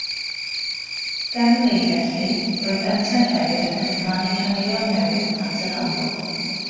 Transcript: Gan wneud felly, roedd yntau hefyd yn cyfrannu caneuon newydd at yr albwm.